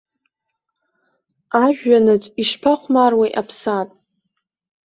Ажәҩанаҿ ишԥахәмаруеи аԥсаатә!